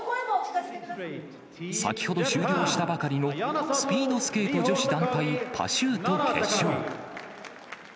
先ほど終了したばかりの、スピードスケート女子団体パシュート決勝。